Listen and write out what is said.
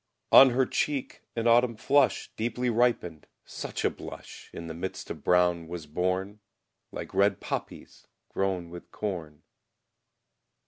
On her cheek an autumn flush, Deeply ripened; such a blush In the midst of brown was born, Like red poppies grown with corn.